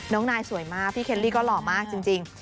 น้องนายสวยมากพี่เคลลี่ก็หล่อมากจริง